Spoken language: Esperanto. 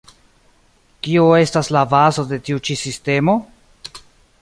Kio estas la bazo de tiu ĉi sistemo?